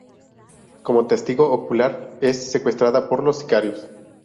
Como testigo ocular, es secuestrada por los sicarios.